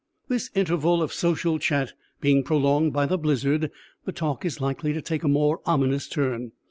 This interval of social chat being prolonged by the blizzard, the talk is likely to take a more ominous turn.